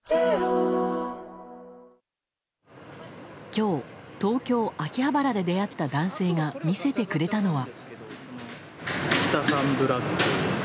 今日、東京・秋葉原で出会った男性が見せてくれたのは。